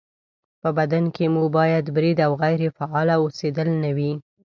په بدن کې مو باید برید او غیرې فعاله اوسېدل نه وي